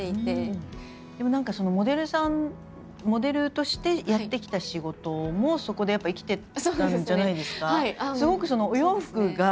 でも何かモデルさんモデルとしてやってきた仕事もそこでやっぱ生きてたんじゃないですか？